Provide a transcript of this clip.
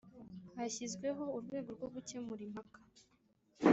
Hashyizweho urwego rwo gukemura impaka